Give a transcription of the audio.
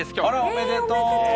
おめでとう。